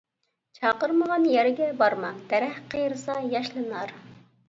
چاقىرمىغان يەرگە بارما، دەرەخ قېرىسا ياشلىنار.